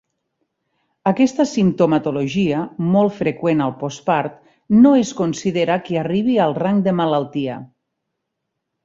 Aquesta simptomatologia, molt freqüent al postpart, no es considera que arribi al rang de malaltia.